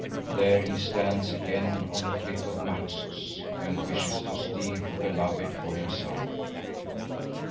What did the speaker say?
There he stands again on the cliff of Naxos and wishes to steal the beloved for himself.